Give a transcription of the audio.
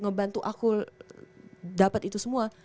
ngebantu aku dapat itu semua